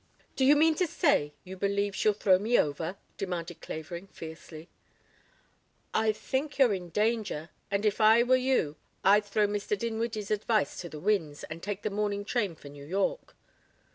"Do you mean to say you believe she'll throw me over?" demanded Clavering fiercely. "I think you're in danger, and if I were you I'd throw Mr. Dinwiddie's advice to the winds and take the morning train for New York."